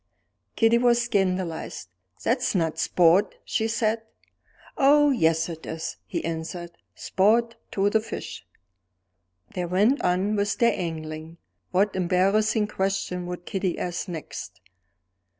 Kitty was scandalized. "That's not sport!" she said. "Oh, yes, it is," he answered "sport to the fish." They went on with their angling. What embarrassing question would Kitty ask next?